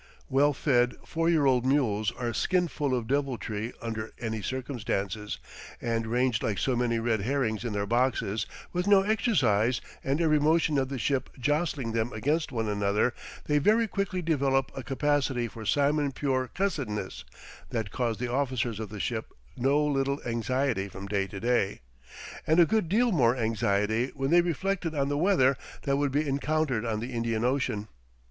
Well fed four year old mules are skin full of deviltry under any circumstances, and ranged like so many red herrings in their boxes, with no exercise, and every motion of the ship jostling them against one another, they very quickly developed a capacity for simon pure cussedness that caused the officers of the ship no little anxiety from day to day, and a good deal more anxiety when they reflected on the weather that would be encountered on the Indian Ocean.